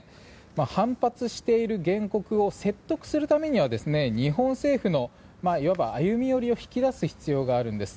反発している原告を説得するためには日本政府のいわば歩み寄りを引き出す必要があるんです。